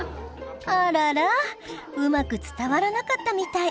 あららうまく伝わらなかったみたい。